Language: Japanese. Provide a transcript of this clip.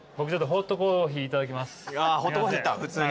ホットコーヒーいった普通に。